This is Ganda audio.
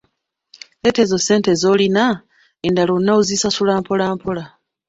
Leeta ezo ssente zolina, endala on'ozisasula mpolampola.